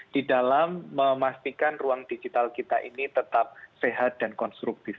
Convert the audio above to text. di dalam memastikan ruang digital kita ini tetap sehat dan konstruktif